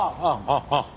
ああ！